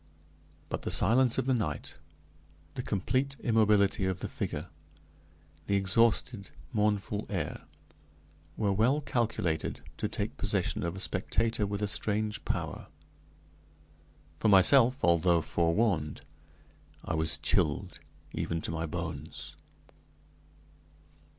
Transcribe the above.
But the silence of the night, the complete immobility of the figure, the exhausted, mournful air, were well calculated to take possession of a spectator with a strange power. For myself, although forewarned, I was chilled even to my bones.